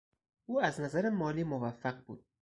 او از نظر مالی موفق بود.